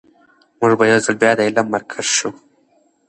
موږ به یو ځل بیا د علم مرکز شو.